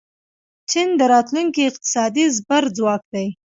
چین د راتلونکي اقتصادي زبرځواک دی.